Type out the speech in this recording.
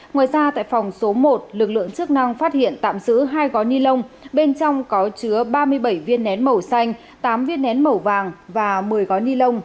ngoài ra tại phòng số một lực lượng chức năng phát hiện tạm giữ hai gói ni lông bên trong có chứa ba mươi bảy viên nén màu xanh tám viên nén màu vàng và một mươi gói ni lông